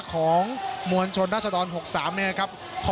แล้วก็ยังมวลชนบางส่วนนะครับตอนนี้ก็ได้ทยอยกลับบ้านด้วยรถจักรยานยนต์ก็มีนะครับ